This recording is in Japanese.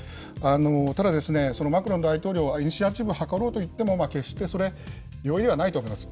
ただ、そのマクロン大統領、イニシアチブを図ろうといっても決してそれ、容易ではないと思います。